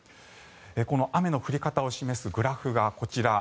この雨の降り方を示すグラフがこちら。